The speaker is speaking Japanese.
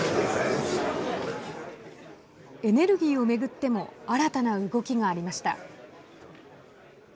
エネルギーを巡っても新たな動きがありました。